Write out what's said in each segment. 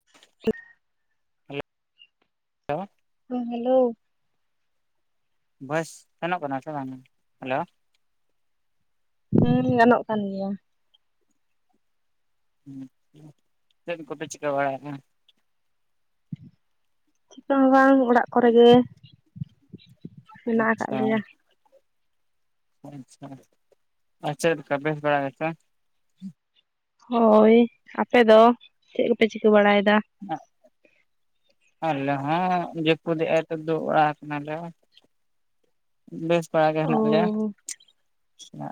[inaudible] [inaudible] ᱦᱮᱸ ᱦᱮᱞᱳ ᱾ [unintelligible] ᱥᱮᱱᱚᱜ ᱠᱟᱱᱟ ᱥᱮ ᱵᱟᱝ ᱾ ᱦᱮᱞᱳ ᱦᱮᱸ ᱜᱟᱱᱚᱜ ᱠᱟᱱ ᱜᱮᱭᱟ ᱾ ᱦᱩᱸ ᱪᱮᱫ ᱠᱚᱯᱮ ᱪᱤᱠᱟᱹ ᱵᱟᱲᱟᱭ ᱫᱟ? ᱪᱤᱠᱟᱹ ᱦᱚᱸ ᱵᱟᱝ ᱾ ᱚᱲᱟᱜ ᱠᱚᱨᱮ ᱜᱮ ᱢᱮᱱᱟᱜ ᱟᱠᱟᱫ ᱟᱪᱪᱷᱟ ᱞᱮᱭᱟ ᱾ ᱟᱪᱪᱷᱟ ᱟᱨ ᱪᱮᱫ ᱞᱮᱠᱟ ᱵᱮᱥ ᱵᱟᱰᱟ ᱜᱮ ᱥᱮ? ᱦᱩᱭ ᱾ ᱟᱯᱮ ᱫᱚ ᱪᱮᱫ ᱠᱚᱯᱮ ᱪᱤᱠᱟᱹ ᱵᱟᱲᱟᱭ ᱮᱫᱟ? ᱦᱟᱸᱜ ᱟᱞᱮ ᱦᱚᱸ ᱡᱟᱹᱯᱩᱫ ᱮᱫ ᱟᱭ ᱛᱚ ᱫᱩᱲᱩᱵ ᱵᱟᱲᱟ ᱠᱟᱱᱟᱞᱮ ᱵᱮᱥ ᱵᱟᱲᱟ ᱜᱮ ᱚ ᱦᱮᱱᱟᱜ ᱞᱮᱭᱟ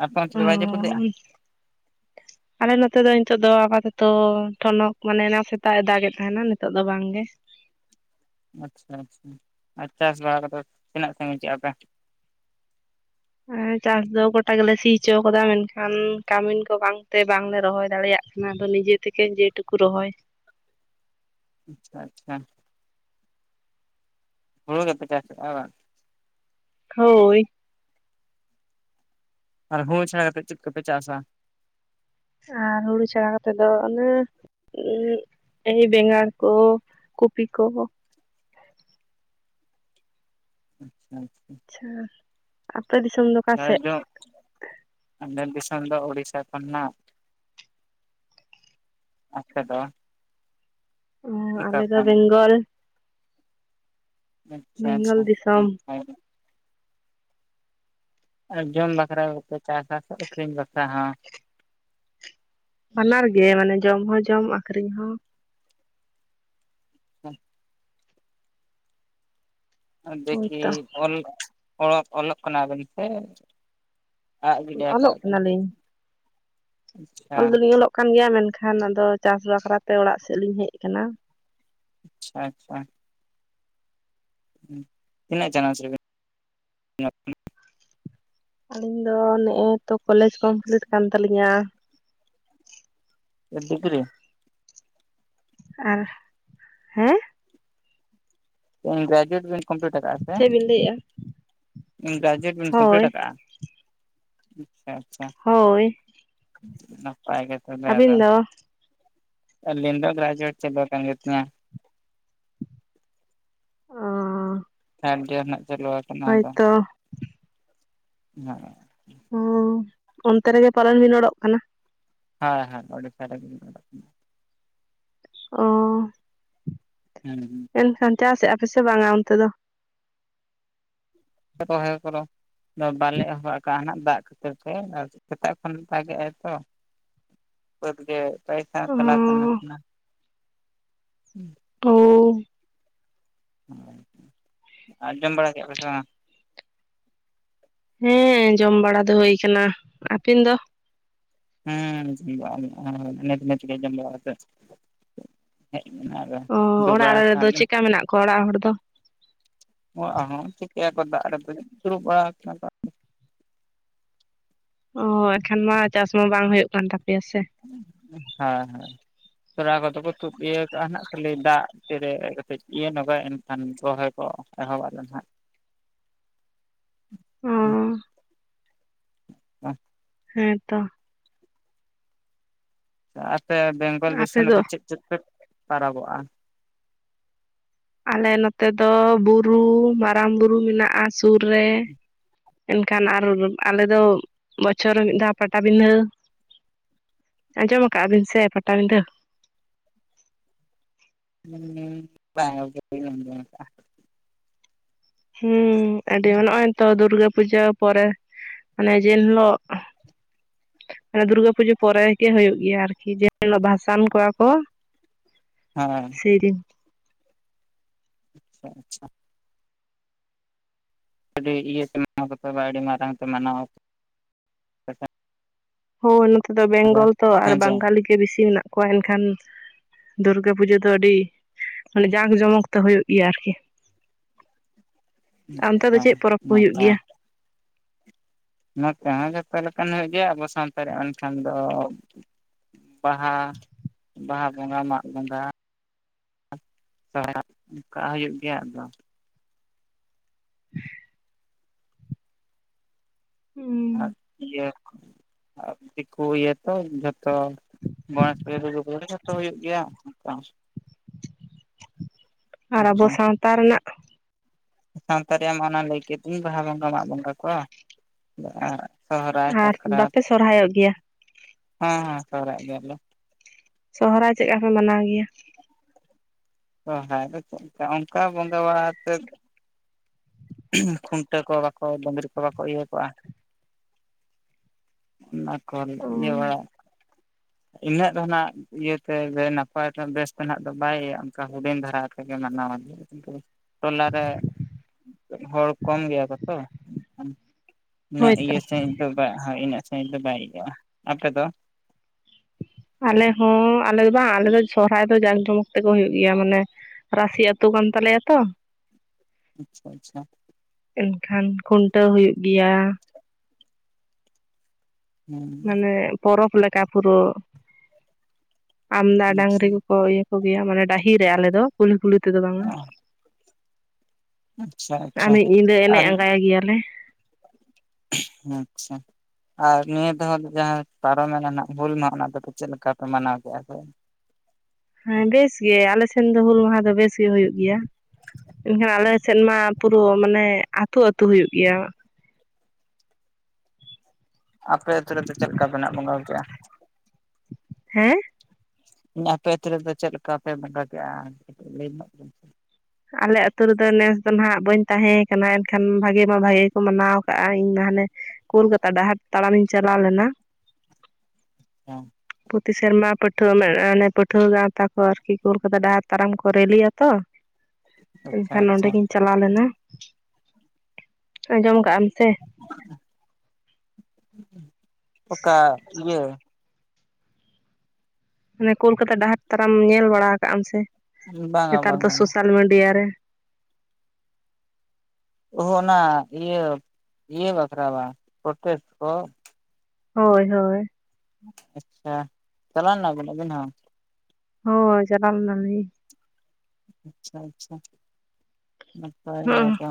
ᱟᱯᱮ ᱚᱱᱛᱮ ᱚ ᱫᱚ ᱵᱟᱭ ᱡᱟᱹᱯᱩᱫ ᱫᱮᱜᱟ? ᱟᱞᱮ ᱱᱚᱛᱮ ᱫᱚ ᱱᱤᱛᱚᱜ ᱫᱚ ᱟᱯᱟᱛᱚᱛᱚ ᱴᱷᱚᱱᱚᱠ ᱢᱟᱱᱮ ᱚᱱᱟ ᱥᱮᱛᱟᱜ ᱮ ᱫᱟᱜᱮ ᱮᱫ ᱛᱟᱦᱮᱱᱟ ᱱᱤᱛᱚᱜ ᱫᱚ ᱵᱟᱝᱜᱮ ᱟᱪᱪᱷᱟ ᱟᱪᱪᱷᱟ ᱟᱪᱷᱟ [unintelligible] ᱛᱤᱱᱟᱹᱜ ᱥᱟᱺᱜᱤᱧ ᱠᱮᱜ-ᱟ ᱯᱮ? ᱦᱮᱸ ᱪᱟᱥ ᱫᱚ ᱜᱚᱴᱟ ᱜᱮᱞᱮ ᱥᱤ ᱦᱚᱪᱚᱣᱟ ᱟᱠᱟᱫᱟ ᱢᱮᱱᱠᱷᱟᱱ ᱠᱟᱹᱢᱤᱱ ᱠᱚ ᱵᱟᱝᱛᱮ ᱵᱟᱝᱞᱮ ᱨᱚᱦᱚᱭ ᱫᱟᱲᱮᱭᱟᱜ ᱠᱟᱱᱟ ᱫᱚ ᱱᱤᱡᱮᱛᱮᱜᱮ ᱡᱮᱴᱩᱠᱩ ᱨᱚᱦᱚᱭ᱾ ᱟᱪᱪᱷᱟ ᱟᱪᱪᱷᱟ ᱦᱩᱲᱩ ᱜᱮᱯᱮ ᱪᱟᱥ ᱟᱨ ᱵᱟᱝ? ᱦᱳᱭ ᱟᱨ ᱦᱩᱲᱩ ᱪᱷᱟᱲᱟ ᱠᱟᱛᱮ ᱪᱮᱫ ᱠᱚᱯᱮ ᱪᱟᱥᱟ? ᱟᱨ ᱦᱩᱲᱩ ᱪᱷᱟᱲᱟ ᱠᱟᱛᱮᱫ ᱫᱚ ᱚᱱᱮ ᱩ ᱮᱭ ᱵᱮᱸᱜᱟᱲ ᱠᱚ ᱠᱚᱯᱤ ᱠᱚ᱾ ᱟᱪᱪᱷᱟ ᱟᱪᱪᱷᱟ ᱪᱷᱟ ᱟᱯᱮ ᱫᱤᱥᱚᱢ ᱫᱚ? ᱥᱟᱨᱡᱚᱢ ᱟᱞᱮ ᱫᱤᱥᱚᱢ ᱫᱚ ᱩᱳᱲᱤᱥᱥᱟ ᱠᱷᱚᱱᱟᱜ᱾ ᱟᱯᱮ ᱫᱚ? ᱚ ᱚᱠᱟ ᱟᱞᱮ ᱫᱚ ᱠᱷᱚᱱ ᱵᱮᱝᱜᱚᱞ ᱟᱪᱪᱷᱟ ᱵᱮᱝᱜᱚᱞ ᱟᱪᱪᱷᱟ ᱫᱤᱥᱚᱢ ᱱᱟᱯᱟᱹᱭ ᱜᱮ ᱟᱨ ᱡᱚᱢ ᱵᱟᱠᱷᱨᱟ ᱠᱚᱯᱮ ᱪᱟᱥᱟᱥ ᱥᱮ ᱟᱠᱷᱮᱨᱤᱧ ᱵᱟᱠᱷᱨᱟ ᱦᱚ? ᱵᱟᱱᱟᱨ ᱜᱮ ᱢᱟᱱᱮ ᱡᱚᱢ ᱦᱚᱸ ᱡᱚᱢ ᱟᱠᱷᱨᱤᱧ ᱦᱚᱸ᱾ ᱦᱚ ᱟᱨ ᱫᱤᱠᱷᱤ ᱦᱳᱭᱛᱚ ᱠᱚᱞ ᱚ ᱚᱞᱚᱜ ᱠᱟᱱᱟᱵᱮᱱ ᱥᱮ? ᱟᱜ ᱜᱤᱰᱤ ᱚᱞᱚᱜ ᱭᱟᱠᱟᱜᱟ ᱵᱤᱱ ᱠᱟᱱᱟᱞᱤᱧ ᱟᱪᱪᱷᱟ ᱚᱞ ᱟᱪᱪᱷᱟ ᱫᱚᱞᱤᱧ ᱚᱞᱚᱜ ᱠᱟᱱ ᱜᱮᱭᱟ ᱢᱮᱱᱠᱷᱟᱱ ᱟᱫᱚ ᱪᱟᱥ ᱵᱟᱠᱷᱨᱟᱛᱮ ᱚᱲᱟᱜ ᱥᱮᱫ ᱞᱤᱧ ᱦᱮᱡ ᱠᱟᱱᱟ᱾ ᱟᱪᱪᱷᱟ ᱦᱩ ᱛᱤᱱᱟᱹᱜ ᱪᱟᱱᱟᱡ ᱨᱮᱱᱤᱱ [inaudible] ᱟᱞᱤᱧ ᱫᱚ ᱱᱮᱜᱼᱮ ᱛᱚ ᱠᱚᱞᱮᱡᱽ ᱠᱚᱢᱯᱤᱞᱤᱴ ᱠᱟᱱ ᱛᱟᱹᱞᱤᱧᱟ᱾ ᱟᱹᱵᱤᱜᱨᱤ ᱨᱮ ᱟᱨ ᱦᱮᱸ ᱟᱡᱮᱴ ᱵᱮᱱ ᱠᱚᱢᱯᱞᱤᱴ ᱟᱠᱟᱫᱼᱟ ᱥᱮ ᱪᱮᱫ ᱵᱤᱱ ᱞᱟᱹᱭᱮᱜᱼᱟ ᱜᱨᱮᱡᱩᱭᱮᱴ ᱵᱮᱱ ᱠᱚᱢᱯᱞᱤᱴ ᱦᱳᱭ ᱟᱠᱟᱜᱼᱟ ᱟᱪᱪᱷᱟ ᱟᱪᱪᱷᱟ ᱦᱳᱭ ᱱᱟᱯᱟᱭ ᱜᱮ ᱛᱚᱵᱮ ᱟᱹᱵᱤᱱ ᱟᱫᱚ ᱫᱚ ᱟᱞᱤ ᱫᱚ ᱜᱨᱡᱩᱭᱮᱡᱮᱴ ᱪᱟᱵᱟ ᱠᱟᱱ ᱜᱮᱛᱚ ᱚ ᱱᱟᱜ ᱪᱟᱹᱞᱩ ᱟᱠᱟᱱᱟ ᱟᱫᱚ ᱦᱳᱭᱛᱚ ᱦᱮ ᱚ ᱚᱱᱛᱮ ᱨᱮᱜᱮ ᱯᱟᱞᱚᱱ ᱵᱤᱱ ᱚᱰᱚᱜ ᱠᱟᱱᱟ ᱦᱮ ᱦᱮ ᱩᱰᱤᱥᱥᱟ ᱨᱮᱜᱮ ᱞᱤᱧ ᱚᱞᱚᱜ ᱠᱟᱱᱟ ᱚ ᱦᱮᱸ ᱦᱩᱸ ᱮᱱᱠᱷᱟᱱ ᱪᱟᱥ ᱮᱜᱼᱟ ᱯᱮ ᱥᱮ ᱵᱟᱝᱟ ᱚᱱᱛᱮ ᱫᱚ? [unintelligible] ᱫᱚ ᱵᱟᱞᱮ ᱮᱦᱚᱵᱟ ᱟᱠᱟᱱᱟᱜ ᱫᱟᱜ ᱠᱷᱟᱹᱛᱤᱨ ᱛᱮ ᱥᱮᱛᱟᱜ ᱠᱷᱚᱱ ᱫᱟᱜᱮᱜᱟᱭ ᱛᱚ ᱾ ᱵᱟᱹᱫᱽ ᱜᱮ ᱯᱟᱹᱭᱥᱟ [unintelligible] ᱚ ᱠᱷᱟᱱ᱾ ᱦᱩᱸ ᱛᱳᱻ ᱟᱨ ᱡᱚᱢ ᱵᱟᱲᱟ ᱠᱮᱜᱼᱟ ᱯᱮᱥᱮ ᱵᱟᱝ? ᱦᱮᱸ ᱡᱚᱢ ᱵᱟᱲᱟ ᱫᱚ ᱦᱩᱭ ᱠᱟᱱᱟ ᱾ ᱟᱯᱤᱱ ᱫᱚ? ᱦᱩᱸ [inaudible] ᱢᱮᱪ ᱢᱮᱪ ᱜᱮ ᱡᱚᱢ ᱵᱟᱲᱟ ᱠᱟᱛᱮᱫ ᱦᱮᱪ ᱱᱟ᱾ ᱚᱻ ᱚᱲᱟᱜ ᱨᱮᱫᱚ ᱪᱮᱜᱠᱟ ᱢᱮᱱᱟᱜ ᱠᱚᱣᱟ ᱚᱲᱟᱜ ᱦᱚᱲ ᱫᱚ? ᱚᱲᱟᱜ ᱦᱚᱸ ᱪᱤᱠᱟᱹᱭᱟᱠᱚ ᱫᱟᱜ ᱨᱮ ᱫᱚ ᱫᱩᱲᱩᱵ ᱵᱟᱲᱟᱣ ᱠᱟᱱᱟ ᱠᱚ ᱾ ᱚ ᱮᱱᱠᱷᱟᱱ ᱢᱟ ᱪᱟᱥ ᱢᱟ ᱵᱟᱝ ᱦᱩᱭᱩᱜ ᱠᱟᱱ ᱛᱟᱯᱮᱭᱟ ᱥᱮ? ᱦᱮᱸ ᱦᱮᱸ ᱾ ᱛᱚᱞᱟ ᱠᱚᱫᱚ ᱠᱚ ᱛᱩᱫ ᱤᱭᱟᱹ ᱠᱟᱜᱼᱟ ᱱᱟᱦ ᱠᱷᱟᱹᱞᱤ ᱫᱟᱜ ᱛᱤᱨᱮ ᱠᱟᱹᱛᱤᱡ ᱤᱭᱟᱹ ᱱᱚᱜᱟᱭ ᱮᱱᱠᱷᱟᱱ ᱨᱚᱦᱚᱭ ᱠᱚᱼᱼ ᱮᱦᱚᱵ ᱟᱞᱮ ᱱᱟᱜ᱾ ᱚ ᱸᱻ ᱦᱮᱸ ᱛᱚ ᱾ ᱟᱯᱮ ᱵᱮᱝᱜᱚᱞ ᱟᱯᱮ ᱫᱤᱥᱚᱢ ᱫᱚ ᱨᱮ ᱪᱮᱫ ᱪᱮᱫ ᱯᱮ ᱯᱟᱨᱟᱵᱚᱜᱼᱟ? ᱟᱞᱮ ᱱᱚᱛᱮ ᱫᱚ ᱵᱩᱨᱩ ᱢᱟᱨᱟᱝ ᱵᱩᱨᱩ ᱢᱮᱱᱟᱜᱼᱟ ᱥᱩᱨ ᱨᱮ᱾ ᱮᱱᱠᱷᱟᱱ ᱟᱨ ᱟᱞᱮᱫᱚ ᱵᱚᱪᱷᱚᱨ ᱨᱮ ᱢᱤᱫ ᱫᱷᱟᱣ ᱯᱟᱴᱟ ᱵᱤᱸᱫᱷᱟᱹ ᱾ ᱟᱸᱡᱚᱢ ᱟᱠᱟᱜ ᱵᱤᱱ ᱥᱮ ᱯᱟᱴᱟ ᱵᱤᱸᱫᱷᱟᱹ? ᱦᱩᱸ ᱵᱟᱝ ᱜᱚᱝᱠᱮ ᱵᱟᱹᱧ ᱟᱸᱡᱚᱢ ᱠᱟᱜᱼᱟ᱾ ᱦᱩᱸ ᱟᱹᱰᱤ ᱱᱚᱜᱼᱚᱭ ᱛᱚ ᱫᱩᱨᱜᱟᱹ ᱯᱩᱡᱟᱹ ᱯᱚᱨᱮ ᱢᱟᱱᱮ ᱡᱮ ᱦᱤᱞᱳᱜ᱾ ᱢᱟᱱᱮ ᱫᱩᱨᱜᱟᱹ ᱯᱩᱡᱟᱹ ᱯᱚᱨᱮ ᱜᱮ ᱦᱩᱭᱩᱜ ᱜᱮᱭᱟ ᱾ ᱟᱨᱠᱤ ᱡᱮᱤᱞᱳᱜ ᱵᱷᱟᱥᱟᱱ ᱠᱚᱣᱟ ᱠᱚ᱾ ᱦᱮᱸᱻ ᱥᱤᱨᱤᱧ ᱚᱻ ᱟᱪᱪᱷᱟ ᱾ ᱟᱹᱰᱤ ᱤᱭᱟᱹ ᱛᱮᱢ ᱢᱟᱱᱟᱣ ᱵᱟᱛᱟᱣᱟ ᱟᱹᱰᱤ ᱢᱟᱨᱟᱝ ᱛᱮ ᱢᱟᱱᱟᱣᱟ᱾ ᱦᱳᱭ ᱱᱚᱛᱮ ᱫᱚ ᱵᱮᱝᱜᱚᱞ ᱛᱚ ᱟᱨ ᱦᱮᱸ ᱪᱮ ᱵᱟᱝᱜᱟᱞᱤ ᱜᱮ ᱵᱮᱥᱤ ᱢᱮᱱᱟᱜ ᱠᱚᱣᱟ ᱮᱱ ᱠᱷᱟᱱ ᱫᱩᱨᱜᱟᱹ ᱯᱩᱡᱟᱹ ᱫᱚ ᱟᱹᱰᱤ ᱢᱟᱱᱮ ᱡᱟᱸᱠ ᱡᱚᱢᱚᱠ ᱛᱮ ᱦᱩᱭᱳᱜ ᱜᱮᱭᱟ ᱟᱨᱠᱤ᱾ [inaudible] ᱟᱱᱛᱮ ᱫᱚ ᱟᱪᱪᱷᱟ ᱪᱮᱫ ᱯᱚᱨᱚᱵᱽ ᱠᱚ ᱦᱩᱭᱩᱜ ᱱᱟᱯᱟᱭ ᱜᱮᱭᱟ? ᱱᱚᱛᱮ ᱦᱚᱸ ᱡᱚᱛᱚ ᱞᱮᱠᱟᱱ ᱦᱩᱭᱩᱜ ᱜᱮᱭᱟ ᱟᱵᱚ ᱥᱟᱶᱛᱟ ᱨᱮᱭᱟᱜ [unintelligible] ᱫᱚ᱾ ᱵᱟᱦᱟ ᱵᱟᱦᱟ ᱵᱚᱸᱜᱟ, ᱢᱟᱜ ᱵᱚᱸᱜᱟᱼᱼ [unintelligible] ᱚᱱᱠᱟ ᱦᱩᱭᱩᱜ ᱜᱮᱭᱟ ᱾ ᱟᱫᱚᱼᱼ [inaudible] ᱟᱨ ᱤᱭᱟᱹᱠ ᱫᱤᱠᱩ ᱤᱭᱟᱹᱠ ᱛᱚ ᱡᱷᱚᱛᱚᱢ ᱜᱚᱱᱮᱥ ᱯᱩᱡᱟᱹ ᱫᱩᱨᱜᱟᱹ ᱯᱩᱡᱟᱹ ᱡᱷᱚᱛᱚ ᱦᱩᱭᱩᱜ ᱜᱮᱭᱟ ᱚᱱᱠᱟ᱾ ᱟᱨ ᱟᱵᱚ ᱟᱪᱪᱷᱟ ᱥᱟᱶᱛᱟ ᱨᱮᱭᱟᱜᱼᱼ ᱥᱟᱶᱛᱟ ᱨᱮᱭᱟᱜ ᱢᱟ ᱮᱱᱟᱱ ᱞᱟᱹᱭ ᱠᱮᱫ ᱫᱩᱧ ᱵᱟᱦᱟ ᱵᱚᱸᱜᱟ ᱢᱟᱜ ᱵᱚᱸᱜᱟ ᱟᱨ᱾ ᱥᱚᱦᱨᱟᱭ, ᱟᱨ ᱥᱟᱠᱨᱟᱛ ᱵᱟᱯᱮ ᱥᱚᱨᱦᱟᱭᱚᱜ ᱜᱮᱭᱟ ᱦᱮᱸ ᱦᱮᱸ ᱥᱚᱦᱨᱟᱭᱚᱜ ᱜᱮᱭᱟ ᱞᱮ᱾ ᱥᱚᱦᱨᱟᱭ ᱪᱮᱫ ᱞᱮᱠᱟ ᱯᱮ ᱢᱟᱱᱟᱣ ᱜᱮᱭᱟ? ᱥᱚᱦᱨᱟᱭ ᱨᱮᱫᱚ ᱚᱱᱠᱟ ᱚᱱᱠᱟ ᱵᱚᱸᱜᱟ ᱵᱟᱲᱟ ᱟᱛᱮᱫᱼᱼ ᱠᱷᱩᱱᱴᱟᱹᱣ ᱠᱚ ᱵᱟᱠᱚ ᱰᱟᱹᱝᱨᱤ ᱠᱚ ᱵᱟᱠᱚ ᱤᱭᱟᱹ ᱠᱚᱜᱼᱟ᱾ ᱠᱚᱱ ᱤᱭᱟᱹ ᱵᱟᱲᱟ ᱤᱱᱟᱹᱜ ᱫᱚᱱᱟᱜᱼᱼ ᱤᱭᱟᱹᱛᱮ ᱫᱮ ᱱᱟᱯᱟᱭ ᱛᱮ ᱵᱮᱥᱛᱮ ᱱᱟᱜ ᱫᱚ ᱵᱟᱭ ᱚᱱᱠᱟ ᱦᱩᱰᱮᱱ ᱫᱷᱟᱨᱟ ᱛᱮᱜᱮ ᱢᱟᱱᱟᱣ ᱟᱞᱤ᱾ ᱤᱱᱠᱟᱹ ᱛᱚᱞᱟ ᱨᱮᱼᱼ ᱦᱚᱲ ᱠᱚᱢ ᱜᱮᱭᱟ ᱠᱚ ᱛᱚ ᱮᱠᱷᱟᱱᱼᱼ ᱩᱱᱟᱹᱜ ᱦᱳᱭᱛᱚ ᱤᱭᱟᱹ ᱥᱟᱹᱦᱤᱡ ᱫᱚ ᱵᱟᱭ ᱤᱱᱟᱹᱜ ᱥᱟᱹᱦᱤᱡ ᱫᱚ ᱵᱟᱭ ᱤᱭᱟᱹᱜᱼᱟ ᱟᱯᱮᱫᱚ? ᱟᱞᱮ ᱦᱚᱸ ᱟᱞᱮ ᱫᱚ ᱵᱟᱝ ᱟᱞᱮ ᱫᱚ ᱥᱚᱦᱨᱟᱭ ᱫᱚ ᱡᱟᱠ ᱡᱚᱢᱚᱠ ᱛᱮᱠᱚ ᱦᱩᱭᱩᱜ ᱜᱮᱭᱟ ᱢᱟᱱᱮ ᱨᱟᱥᱤ ᱟᱹᱛᱩ ᱠᱟᱱ ᱛᱟᱞᱮᱭᱟ ᱛᱚ᱾ ᱟᱪᱪᱷᱟ ᱟᱪᱪᱷᱟ, ᱮᱱᱠᱷᱟᱱ ᱠᱷᱩᱱᱴᱟᱹᱣ ᱦᱩᱭᱩᱜ ᱜᱮᱭᱟ᱾ ᱦᱩᱸ ᱢᱟᱱᱮ ᱯᱚᱨᱚᱵᱽ ᱞᱮᱠᱟ ᱯᱩᱨᱟᱹ [inaudible] ᱟᱢᱫᱟ ᱰᱟᱝᱨᱤ ᱟᱪᱪᱷᱟ ᱠᱚᱠᱚ ᱠᱚ ᱜᱮᱭᱟ ᱢᱟᱱᱮ ᱰᱟᱹᱦᱤᱨᱮ ᱟᱞᱮ ᱫᱚ ᱠᱩᱞᱦᱤ ᱠᱩᱞᱦᱤ ᱛᱮᱫᱚ ᱵᱟᱝ-ᱟ᱾ ᱟᱪᱪᱷᱟ [inaudible] ᱟ ᱟᱪᱪᱷᱟ ᱢᱤᱫ ᱧᱤᱫᱟᱹ ᱮᱱᱮᱡ ᱟᱨ ᱟᱸᱜᱟᱭ ᱜᱮᱭᱟᱞᱮ᱾ ᱟᱪᱪᱷᱟ ᱟᱨ ᱱᱤᱭᱟᱹ ᱫᱚ ᱡᱟᱦᱟᱸ ᱯᱟᱨᱚᱢᱮᱱᱟ ᱦᱟᱸᱜ ᱦᱩᱞ ᱢᱟᱦᱟ ᱚᱱᱟ ᱫᱚ ᱪᱮᱫ ᱞᱮᱠᱟᱯᱮ ᱢᱟᱱᱟᱣ ᱠᱮᱫᱼᱟ ᱥᱮ? ᱦᱮᱸ ᱵᱮᱥ ᱜᱮ ᱟᱞᱮ ᱥᱮᱱ ᱫᱚ ᱦᱩᱞ ᱢᱟᱦᱟ ᱫᱚ ᱵᱮᱥ ᱜᱮ ᱦᱩᱭᱩᱜ ᱜᱮᱭᱟ ᱢᱮᱱᱠᱷᱟᱱ ᱟᱞᱮ ᱥᱮᱫ ᱢᱟ ᱯᱩᱨᱟᱹ ᱢᱟᱱᱮ ᱟᱹᱛᱩ ᱟᱹᱛᱩ ᱦᱩᱭᱩᱜ ᱜᱮᱭᱟ᱾ ᱟᱯᱮ ᱟᱹᱛᱩ ᱨᱮᱫᱚ ᱪᱮᱫ ᱞᱮᱠᱟ ᱵᱮᱱᱟᱜ ᱵᱚᱸᱜᱟᱠᱼᱟ? ᱦᱮᱸ ᱟᱯᱮ ᱟᱹᱛᱳ ᱨᱮᱫᱚ ᱪᱮᱫ ᱞᱮᱠᱟ ᱯᱮ ᱵᱚᱸᱜᱟ ᱠᱮᱜᱼᱟ ᱠᱟᱹᱴᱤᱡ ᱞᱟᱹᱭ ᱧᱚᱜ ᱵᱮᱱ ᱟᱞᱮ ᱟᱹᱛᱩ ᱨᱮᱫᱚ ᱱᱮᱥ ᱫᱚ ᱦᱟ‍ᱸᱜ ᱵᱟᱹᱧ ᱛᱟᱦᱮᱸ ᱠᱟᱱᱟ ᱮᱱᱠᱷᱟᱱ ᱵᱷᱟᱜᱮ ᱢᱟ ᱵᱷᱟᱜᱮ ᱜᱮ ᱠᱚ ᱢᱟᱱᱟᱣ ᱟᱠᱟᱜᱼᱟ ᱤᱧ ᱢᱟ ᱦᱟᱱᱮ ᱠᱳᱞᱠᱟᱛᱟ ᱰᱟᱦᱟᱨ ᱛᱟᱲᱟᱢᱤᱧ ᱪᱟᱞᱟᱣ ᱞᱮᱱᱟ᱾ ᱚᱸ ᱯᱚᱛᱤ ᱥᱮᱨᱢᱟ ᱯᱟᱹᱴᱷᱩᱣᱟᱹ ᱚᱱᱮ ᱯᱟᱹᱴᱷᱩᱣᱟᱹ ᱜᱟᱶᱛᱟ ᱠᱚ ᱟᱨᱠᱤ ᱠᱳᱞᱠᱟᱛᱟ ᱰᱟᱦᱟᱨ ᱛᱟᱲᱟᱢ ᱠᱚ ᱨᱮᱞᱤᱭᱟ ᱛᱚ᱾ ᱟᱪᱪᱷᱟ ᱮᱱᱠᱷᱟᱱ ᱱᱚᱸᱰᱮ ᱟᱪᱪᱷᱟ ᱜᱤᱧ ᱪᱟᱞᱟᱣ ᱞᱮᱱᱟ [inaudible] ᱟᱸᱡᱚᱢ ᱠᱟᱜ ᱟᱢ ᱥᱮ ᱚᱠᱟ ᱤᱭᱟᱹ ᱢᱟᱱᱮ ᱠᱳᱞᱠᱟᱛᱟ ᱰᱟᱦᱟᱨ ᱛᱟᱨᱟᱢ ᱧᱮᱞ ᱵᱟᱲᱟ ᱠᱟᱜ ᱟᱢ ᱥᱮ ᱵᱟᱝᱟ ᱱᱮᱛᱟᱨ ᱫᱚ ᱵᱟᱝᱟ ᱥᱳᱥᱟᱞ ᱢᱤᱰᱤᱭᱟ ᱨᱮ ᱚᱦ ᱚᱱᱟ ᱤᱭᱟᱹ ᱤᱭᱟᱹ ᱵᱟᱠᱷᱨᱟ ᱵᱟᱝ ᱯᱨᱚᱴᱮᱥᱴ ᱠᱚ᱾ ᱦᱳᱭ ᱦᱳᱭ ᱟᱪᱪᱷᱟ, ᱪᱟᱞᱟᱣ ᱞᱮᱱᱟ ᱵᱤᱱ ᱟᱵᱤᱱ ᱦᱚᱸ? ᱦᱳᱭ ᱪᱟᱞᱟᱣ ᱞᱮᱱᱟ ᱞᱤᱧ᱾ ᱟᱪᱪᱷᱟ ᱟᱪᱪᱷᱟ ᱱᱟᱯᱟᱭ ᱦᱚᱸ ᱜᱮ᱾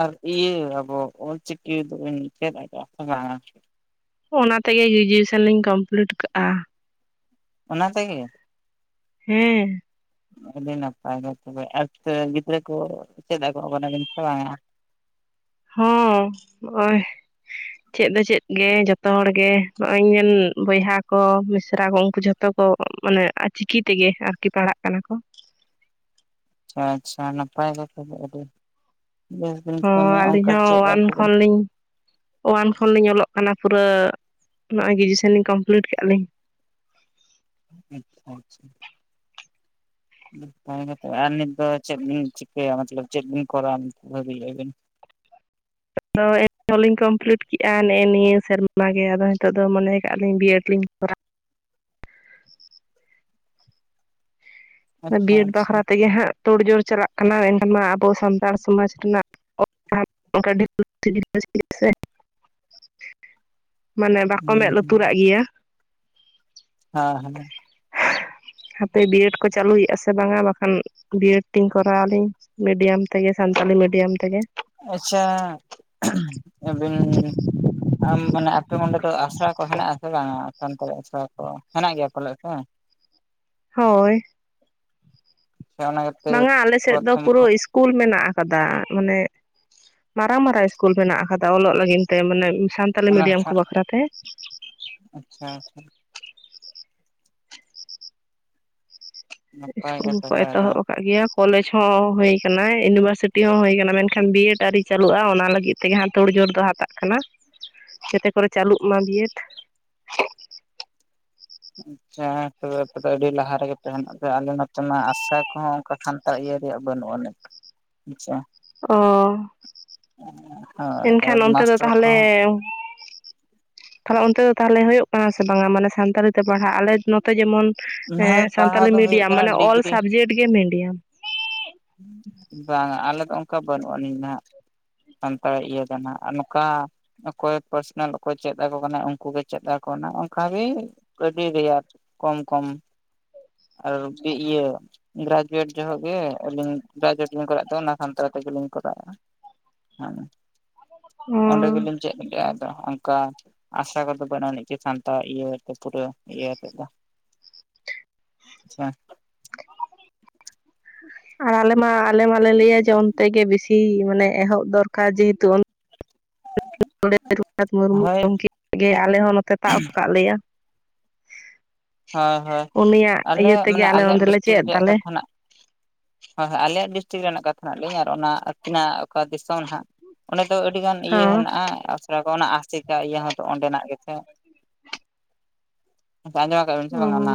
ᱟᱨ ᱤᱭᱟᱹ ᱟᱵᱚ ᱚᱞᱪᱤᱠᱤ ᱫᱚᱵᱤᱱ ᱪᱮᱫ ᱟᱠᱟᱜ-ᱟ ᱥᱮ ᱵᱟᱝ-ᱟ? ᱚᱱᱟ ᱛᱮᱜᱮ ᱜᱨᱮᱡᱩᱭᱮᱥᱚᱱ ᱞᱤᱧ ᱠᱚᱢᱯᱞᱤᱴ ᱠᱟᱜᱼᱟ ᱾ ᱚᱱᱟ ᱛᱮᱜᱮ, ᱦᱮᱸ ᱟᱹᱰᱤ ᱱᱟᱯᱟᱭ ᱜᱤᱫᱽᱨᱟᱹ ᱠᱚ ᱪᱮᱫ ᱟᱠᱚ ᱠᱟᱱᱟ ᱵᱤᱱ ᱥᱮ ᱵᱟᱝᱟ? ᱦᱚᱸᱻ ᱱᱚᱜᱼᱚᱭ ᱪᱮᱫ ᱫᱚ ᱪᱮᱫ ᱜᱮ ᱡᱷᱚᱛᱚ ᱦᱚᱲ ᱜᱮ ᱱᱚᱜᱼᱚᱭ ᱤᱧ ᱵᱚᱭᱦᱟ ᱠᱚ ᱢᱤᱥᱨᱟ ᱠᱚ ᱩᱱᱠᱩ ᱡᱷᱚᱛᱚ ᱡᱷᱚᱛᱚ ᱠᱚ ᱢᱟᱱᱮ ᱪᱤᱠᱤ ᱛᱮᱜᱮ ᱟᱨᱠᱤ ᱯᱟᱲᱦᱟᱜ ᱠᱟᱱᱟ ᱠᱚ᱾ ᱟᱪᱪᱷᱟ ᱟᱪᱪᱷᱟ ᱱᱟᱯᱟᱭ ᱜᱮ ᱟᱹᱰᱤ ᱵᱮᱥ ᱵᱤᱱ ᱦᱚᱸ ᱠᱟᱹᱢᱤᱭᱟ ᱟᱹᱞᱤᱧ ᱚᱱᱠᱟ ᱦᱚᱸ ᱪᱮᱫ ᱳᱣᱟᱱ ᱟᱠᱚ ᱵᱤᱱ ᱠᱷᱚᱱᱞᱤᱧ ᱳᱭᱟᱱ ᱠᱷᱚᱱᱞᱤᱧ ᱚᱞᱚᱜ ᱠᱟᱱᱟ ᱯᱩᱨᱟᱹ ᱱᱚᱜ-ᱚᱭ ᱜᱨᱮᱡᱩᱭᱮᱥᱚᱱ ᱞᱤᱧ ᱠᱚᱢᱯᱞᱤᱴ ᱠᱮᱜ ᱟᱞᱤᱧ ᱾ ᱟᱪᱪᱷᱟ ᱟᱪᱪᱷᱟ ᱛᱚᱵᱮ ᱟᱨ ᱱᱤᱛ ᱫᱚ ᱪᱮᱫ ᱵᱤᱱ ᱪᱤᱠᱟᱹᱭᱟ ᱢᱚᱛᱞᱚᱵ ᱪᱮᱫ ᱵᱤᱱ ᱠᱚᱨᱟᱣᱟ ᱵᱷᱟᱹᱵᱤᱭ ᱟᱵᱤᱱ? [inaudible] ᱦᱚᱸᱞᱤᱧ ᱠᱚᱢᱯᱞᱤᱴ ᱠᱮᱜᱼᱟ ᱱᱮᱜᱼᱮ ᱱᱤᱭᱟᱹ ᱥᱮᱨᱢᱟ ᱜᱮ ᱟᱫᱚ ᱱᱤᱛᱚᱜ ᱫᱚ ᱢᱚᱱᱮ ᱠᱟᱜ ᱟᱞᱤᱧ ᱵᱤᱭᱮᱰ ᱞᱤᱧ ᱠᱚᱨᱟᱣᱟ᱾ ᱟᱪᱪᱷᱟ ᱵᱤᱭᱮᱰ ᱟᱪᱪᱷᱟ᱾ ᱵᱟᱠᱷᱨᱟ ᱛᱮᱜᱮ ᱦᱟᱸᱜ ᱛᱳᱲ ᱡᱳᱲ ᱪᱟᱞᱟᱜ ᱠᱟᱱᱟ ᱮᱱᱠᱷᱟᱱ ᱢᱟ ᱟᱵᱚ ᱥᱟᱱᱛᱟᱲ ᱥᱚᱢᱟᱡᱽ ᱨᱮᱱᱟᱜ ᱟᱨ ᱚᱱᱠᱟ [inaudible] ᱥᱮ ᱢᱟᱱᱮ ᱵᱟᱠᱚ ᱦᱩᱸ ᱢᱮᱸᱫ ᱦᱩᱸ ᱞᱩᱛᱩᱨᱟᱜ ᱜᱮᱭᱟ᱾ ᱦᱮᱸ ᱦᱮᱸ [inaudible] ᱦᱟᱯᱮ ᱵᱤᱭᱮᱰ ᱠᱚ ᱪᱟᱹᱞᱩᱭᱮᱜᱼᱟ ᱥᱮ ᱵᱟᱝ-ᱟ ᱵᱟᱠᱷᱟᱱ ᱵᱤᱭᱮᱰ ᱛᱤᱧ ᱠᱚᱨᱟᱣᱟᱞᱤᱧ ᱢᱤᱰᱤᱭᱟᱢ ᱛᱮᱜᱮ ᱥᱟᱱᱛᱟᱞᱤ ᱢᱤᱰᱤᱭᱟᱢ ᱛᱮᱜᱮ ᱾ ᱟᱪᱪᱷᱟ ᱟᱹᱵᱤᱱ ᱟᱢ ᱢᱟᱱᱮ ᱟᱯᱮ ᱚᱸᱰᱮ ᱫᱚ ᱟᱥᱲᱟ ᱠᱚ ᱦᱮᱱᱟᱜ ᱟᱥᱮ ᱵᱟᱝ-ᱟ ᱥᱟᱱᱛᱟᱲᱤ ᱟᱥᱲᱟ ᱠᱚ ᱦᱮᱱᱟᱜ ᱜᱮᱭᱟ ᱯᱟᱞᱮᱫ ᱥᱮ ᱾ [inaudible] ᱦᱚᱭᱻ ᱥᱮ ᱚᱱᱟ ᱜᱮᱯᱮ ᱵᱟᱝᱟ ᱟᱞᱮ ᱥᱮᱫ ᱫᱚ ᱯᱨᱚᱛᱷᱚᱢ ᱯᱩᱨᱟᱹ ᱠᱷᱚᱱ ᱤᱥᱠᱩᱞ ᱢᱮᱱᱟᱜ ᱟᱠᱟᱫᱟ ᱢᱟᱱᱮ ᱢᱟᱨᱟᱝ ᱢᱟᱨᱟᱝ ᱤᱥᱠᱩᱞ ᱢᱮᱱᱟᱜ ᱟᱠᱟᱫᱟ ᱚᱞᱚᱜ ᱞᱟᱹᱜᱤᱱ ᱛᱮ ᱢᱟᱱᱮ ᱥᱟᱱᱛᱟᱞᱤ ᱚᱱᱟ ᱢᱤᱰᱤᱭᱟᱢ ᱠᱚ ᱦᱟᱸᱜ ᱵᱟᱠᱷᱨᱟ ᱛᱮ ᱾ ᱟᱪᱪᱷᱟ ᱱᱟᱯᱟᱭ ᱤᱥᱠᱩᱞ ᱜᱮ ᱠᱚᱠᱚ ᱛᱚᱵᱮ ᱫᱚ᱾ ᱮᱛᱚᱦᱚᱵ ᱟᱠᱟᱫ ᱾ ᱜᱮᱭᱟ ᱠᱚᱞᱮᱡᱽ ᱦᱚᱸ ᱦᱩᱭ ᱟᱠᱟᱱᱟ ᱤᱭᱩᱱᱤᱵᱷᱟᱨᱥᱤᱴᱤ ᱦᱚᱸ ᱦᱩᱭ ᱟᱠᱟᱱᱟ ᱢᱮᱱᱠᱷᱟᱱ ᱵᱤᱭᱮᱰ ᱟᱹᱣᱨᱤ ᱪᱟᱹᱞᱩᱜᱼᱟ ᱚᱱᱟ ᱞᱟᱹᱜᱤᱫ ᱛᱮᱜᱮ ᱦᱟᱸᱜ ᱛᱳᱲ ᱡᱳᱲ ᱫᱚ ᱦᱟᱛᱟᱜ ᱠᱟᱱᱟ ᱡᱮᱛᱮ ᱠᱚᱨᱮ ᱪᱟᱹᱞᱩᱜ ᱢᱟ ᱵᱤᱭᱮᱰ ᱾ ᱟᱪᱪᱷᱟ [unintelligible] ᱟᱯᱮ ᱫᱚ ᱟᱹᱰᱤ ᱞᱟᱦᱟ ᱨᱮᱜᱮ ᱛᱟᱦᱮᱱᱟᱯᱮ ᱟᱞᱮ ᱱᱚᱛᱮ ᱢᱟ ᱟᱥᱲᱟ ᱠᱚᱦᱚᱸ ᱚᱱᱠᱟ ᱠᱷᱟᱱᱛᱛᱟ ᱤᱭᱟᱹ ᱨᱮᱭᱟᱜ ᱵᱟᱹᱱᱩᱜ ᱟᱹᱱᱤᱡ ᱾ ᱟᱪᱪᱷᱟ ᱾ ᱚᱻ ᱦᱳᱭ ᱟᱨ ᱮᱱᱠᱷᱟᱱ ᱚᱱᱛᱮ ᱫᱚ ᱢᱟᱥᱴᱟᱨ ᱛᱟᱦᱚᱞᱮ ᱠᱚᱦᱚᱸ ᱛᱟᱦᱚᱞᱮ ᱚᱱᱛᱮ ᱫᱚ ᱛᱟᱦᱚᱞᱮ ᱦᱩᱭᱩᱜ ᱠᱟᱱᱟ ᱥᱮ ᱵᱟᱝᱟ ᱢᱟᱱᱮ ᱥᱟᱱᱛᱟᱲᱤ ᱛᱮ ᱯᱟᱲᱦᱟᱜ ᱟᱞᱮ ᱱᱚᱛᱮ ᱡᱮᱢᱚᱱ ᱦᱳᱭ ᱯᱟᱲᱦᱟᱣ ᱥᱟᱱᱛᱟᱞᱤ ᱫᱚ ᱦᱩᱭᱩᱜ ᱢᱤᱰᱤᱭᱟᱢ ᱠᱟᱱᱟ ᱢᱟᱱᱮ ᱚᱞ ᱰᱤᱜᱽᱨᱤ ᱥᱟᱵᱡᱮᱠᱴ ᱜᱮ ᱢᱤᱰᱤᱭᱟᱢ ᱾ ᱵᱟᱝᱟ ᱟᱞᱮ ᱫᱚ ᱚᱱᱠᱟ ᱵᱟᱹᱱᱩᱜ ᱟᱹᱱᱤᱡ ᱱᱷᱟᱜ ᱾ ᱥᱟᱱᱛᱟᱲ ᱤᱭᱟᱹ‌ ᱫᱚ ᱱᱷᱟᱜ ᱟᱨ ᱱᱚᱝᱠᱟ ᱚᱠᱚᱭ ᱯᱟᱨᱥᱚᱱᱟᱞ ᱚᱠᱚᱭ ᱪᱮᱫ ᱟᱠᱚ ᱠᱟᱱᱟ ᱩᱱᱠᱩᱜᱮ ᱪᱮᱫ ᱟᱠᱚ ᱠᱟᱱᱟ ᱚᱱᱠᱟᱜᱮ ᱟᱹᱰᱤ ᱨᱮᱭᱟᱲ ᱠᱚᱢ ᱠᱚᱢ ᱟᱨ ᱤᱭᱟᱹ ᱜᱨᱟᱡᱩᱭᱮᱴ ᱡᱚᱦᱚᱜ ᱜᱮ ᱾ ᱟᱹᱞᱤᱧ [unintelligible] ᱠᱚᱨᱟᱣᱮᱫ ᱛᱟᱦᱮᱸᱫ ᱚᱱᱟ ᱥᱟᱱᱛᱟᱲ ᱛᱮᱜᱮᱞᱤᱧ ᱠᱚᱨᱟᱣᱮᱫᱼᱟ ᱦᱮᱸ ᱾ ᱚ ᱚᱸᱰᱮ ᱜᱮᱞᱤᱧ ᱪᱮᱫ ᱠᱟᱜ-ᱟ ᱟᱫᱚ ᱚᱱᱠᱟ ᱟᱥᱲᱟ ᱠᱚᱫᱚ ᱵᱟᱹᱱᱩᱜ ᱟᱹᱱᱤᱡ ᱪᱮ ᱥᱟᱱᱛᱟᱲ ᱤᱭᱟᱹ ᱯᱩᱨᱟᱹ ᱤᱭᱟᱹ ᱟᱛᱮᱫ ᱫᱚ ᱾ ᱟᱪᱪᱷᱟ ᱾ ᱟᱨ ᱟᱞᱮ ᱢᱟ ᱟᱞᱮ ᱢᱟᱞᱮ ᱞᱟᱹᱭᱟ ᱡᱮ ᱚᱱᱛᱮ ᱜᱮ ᱵᱮᱥᱤ ᱢᱟᱱᱮ ᱮᱦᱚᱵ ᱫᱚᱨᱠᱟᱨ ᱡᱮᱦᱮᱛᱩ [inaudible] ᱨᱟᱹᱜᱷᱩᱱᱟᱛᱷ ᱢᱩᱨᱢᱩ ᱦᱳᱭ ᱜᱚᱢᱠᱮ ᱜᱮ ᱟᱞᱮ ᱦᱚᱸ ᱱᱚᱛᱮ ᱛᱟᱵ ᱟᱠᱟᱫ ᱞᱮᱭᱟ ᱾ ᱦᱚᱭ ᱦᱚᱭ ᱩᱱᱤᱭᱟᱜ ᱤᱭᱟᱹ ᱟᱞᱮᱭᱟᱜ ᱛᱮᱜᱮ ᱢᱟᱱᱮ ᱟᱞᱮ ᱟᱞᱮᱭᱟᱜ ᱱᱚᱸᱰᱮᱞᱮ ᱰᱤᱥᱴᱤᱠ ᱪᱮᱫ ᱨᱮᱭᱟᱜ ᱫᱟᱞᱮ ᱠᱟᱛᱷᱟ ᱱᱷᱟᱜ ᱾ ᱦᱚᱭ ᱦᱚᱭ ᱟᱞᱮᱭᱟᱜ ᱰᱤᱥᱴᱤᱠ ᱨᱮᱱᱟᱜ ᱠᱟᱛᱷᱟ ᱱᱷᱟᱜ ᱞᱤᱧ ᱟᱨ ᱚᱱᱟ ᱟᱹᱠᱤᱱᱟᱜ ᱚᱠᱟ ᱫᱤᱥᱚᱢ ᱱᱷᱟᱜ ᱚᱸᱰᱮ ᱫᱚ ᱟᱹᱰᱤᱜᱟᱱ ᱤᱭᱟᱹ ᱦᱚᱸ ᱦᱮᱱᱟᱜᱼᱟ [unintelligible] ᱚᱱᱟ ᱟᱥᱮᱠᱟ ᱤᱭᱟᱹ ᱦᱚᱸᱛᱚ ᱚᱸᱰᱮᱱᱟᱜ ᱜᱮᱥᱮ ᱾ ᱟᱸᱡᱚᱢᱟᱠᱟᱜ ᱵᱤᱱ ᱥᱮ ᱚᱱᱟ,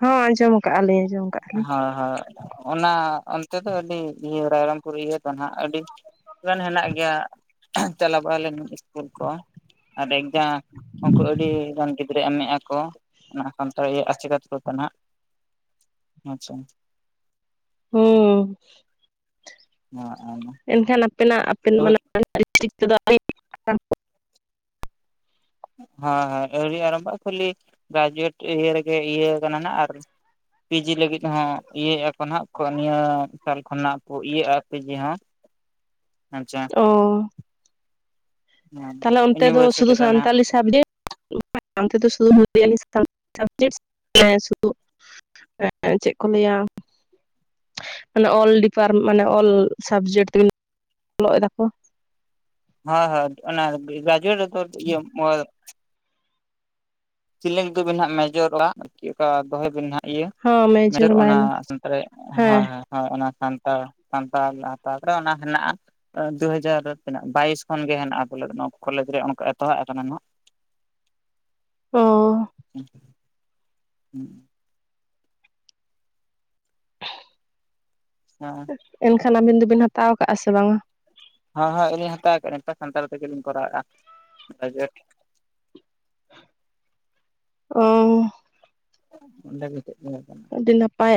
ᱦᱚᱸ ᱟᱸᱡᱚᱢ ᱟᱠᱟᱜᱼᱟ ᱞᱤᱧ ᱟᱸᱡᱚᱢ ᱟᱠᱟᱜᱼᱟ ᱞᱤᱧ ᱦᱚᱭ ᱦᱚᱭ ᱚᱱᱟ ᱚᱱᱛᱮ ᱫᱚ ᱟᱹᱰᱤ ᱤᱭᱟᱹ ᱨᱟᱭᱨᱚᱝᱯᱩᱨ ᱤᱭᱟᱹ ᱠᱟᱱᱟ ᱟᱹᱰᱤ ᱜᱟᱱ ᱦᱮᱱᱟᱜ ᱜᱮᱭᱟ ᱪᱟᱞᱟᱣ [unintelligible] [unintelligible] ᱠᱚ ᱟᱨ ᱮᱠᱡᱟᱢ ᱩᱱᱠᱩ ᱟᱹᱰᱤ ᱜᱟᱱ ᱜᱤᱫᱽᱨᱟᱹ ᱮᱢᱮᱫ ᱟᱠᱚ‌ ᱾ ᱚᱱᱟ ᱱᱷᱟᱜ ᱥᱟᱱᱛᱟᱲ [unintelligible] ᱱᱷᱟᱜ ᱟᱪᱪᱷᱟ ᱾ ᱦᱩᱸᱻ [unintelligible] ᱮᱱᱠᱷᱟᱱ ᱟᱯᱮᱱᱟᱜ ᱟᱯᱮᱱ ᱦᱳᱭ ᱦᱳᱭ [unintelligible] ᱛᱮᱫᱚ [unintelligible] ᱦᱚᱭ ᱦᱚᱭ ᱟᱹᱣᱨᱤ ᱟᱨᱷᱵᱚᱜ ᱠᱷᱟᱹᱞᱤ ᱜᱨᱟᱡᱩᱭᱮᱴ ᱤᱭᱟᱹ ᱨᱮᱜᱮ ᱤᱭᱟᱹ ᱠᱟᱱᱟ ᱱᱷᱟᱜ ᱟᱨ ᱯᱤᱡᱤ ᱞᱟᱹᱜᱤᱫ ᱦᱚᱸ ᱤᱭᱟᱹᱭᱮᱫ ᱟᱠᱚ ᱱᱷᱟᱜ ᱠᱚ ᱱᱤᱭᱟᱹ ᱥᱟᱞ ᱠᱷᱚᱱᱟᱜ ᱠᱚ ᱤᱭᱟᱹᱜᱼᱟ ᱯᱤᱡᱤ ᱦᱚᱸ ᱾ ᱟᱪᱪᱷᱟ ᱾ ᱚᱻ ᱛᱟᱦᱚᱞᱮ ᱚᱱᱛᱮ ᱫᱚ ᱤᱭᱩᱱᱤᱵᱷᱟᱨᱥᱤᱴᱤ ᱥᱩᱫᱩ ᱨᱮ ᱱᱟᱦᱟᱜ ᱥᱟᱱᱛᱟᱞᱤ ᱥᱟᱵᱡᱮᱠᱴ ᱾ [unintelligible] ᱥᱩᱫᱩ ᱥᱟᱡ ᱥᱫ [unintelligible] ᱦᱮ ᱪᱮᱫ ᱠᱚ ᱞᱟᱹᱭᱟ? ᱢᱟᱱᱮ ᱚᱞ ᱰᱤᱯᱟᱨ ᱢᱟᱱᱮ ᱚᱞ ᱥᱟᱵᱡᱮᱠᱴ ᱛᱮ ᱵ ᱚᱞᱚᱜ ᱫᱟᱠᱚ, ᱦᱳᱭ ᱦᱳᱭ ᱚᱱᱟ ᱜᱨᱟᱡᱩᱭᱮᱢ ᱨᱮᱫᱚ ᱤᱭᱟᱹ [unintelligible] [unintelligible] ᱫᱚᱵᱤᱱ ᱦᱟᱸᱜ ᱢᱮᱡᱚᱨᱼᱟᱜ ᱪᱮᱫᱠᱟ ᱫᱚᱦᱚᱭ ᱵᱤᱱ ᱦᱟᱸᱜ᱾ ᱤᱭᱟᱹ ᱦᱚᱸ ᱢᱮᱡᱚᱨ ᱚᱱᱟ ᱢᱟᱭᱱᱚᱨ ᱥᱟᱱᱛᱟᱲ, ᱦᱳᱭ ᱦᱮᱸ ᱦᱳᱭ, ᱦᱳᱭ ᱚᱱᱟ ᱥᱟᱱᱛᱟᱲ ᱥᱟᱱᱛᱟᱞ ᱛᱟᱯᱚᱨᱮ ᱚᱱᱟ ᱦᱮᱱᱟᱜᱼᱟ᱾ ᱫᱩ ᱦᱟᱡᱟᱨ ᱛᱤᱱᱟᱹᱜ ᱵᱟᱭᱤᱥ ᱠᱷᱚᱱ ᱜᱮ ᱦᱮᱱᱟᱜᱼᱟ ᱵᱚᱞᱮ ᱱᱚᱣᱟ ᱠᱚᱞᱮᱡᱽ ᱨᱮ ᱚᱱᱠᱟ ᱮᱛᱚᱦᱚᱵ ᱟᱠᱟᱱᱟ ᱱᱟᱜ᱾ ᱚ, [inaudible] [inaudible] ᱮᱱᱠᱷᱟᱱ ᱟᱵᱤᱱ ᱫᱚᱵᱤᱱ ᱦᱟᱛᱟᱣ ᱟᱠᱟᱫᱼᱟ ᱥᱮ ᱵᱟᱝᱼᱟ? ᱦᱮᱸ ᱦᱳᱭ ᱟᱹᱞᱤᱧ ᱦᱟᱛᱟᱣ ᱠᱮᱫᱼᱟ ᱞᱤᱧ ᱱᱤᱛᱟᱨ ᱥᱟᱱᱛᱟᱲ ᱛᱮᱜᱮᱞᱤᱧ ᱠᱚᱨᱟᱣᱮᱫᱼᱟ ᱜᱨᱟᱡᱩᱭᱮᱴ᱾ ᱚ, ᱚᱸᱰᱮ ᱜᱮ [unintelligible] ᱟᱹᱰᱤ ᱱᱟᱯᱟᱭ,